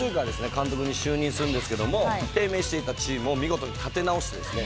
監督に就任するんですけども低迷していたチームを見事に立て直してですね